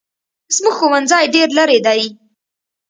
زموږ ښوونځی ډېر لري دی